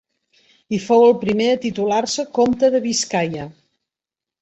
I fou el primer a titular-se comte de Biscaia.